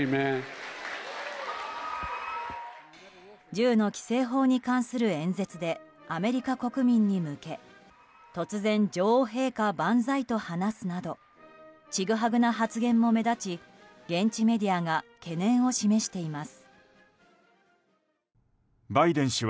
銃の規制法に関する演説でアメリカ国民に向け突然、女王陛下万歳と話すなどちぐはぐな発言も目立ち現地メディアが懸念を示しています。